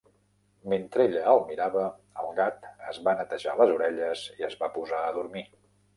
Mentre ella el mirava, el gat es va netejar les orelles i es va posar a dormir.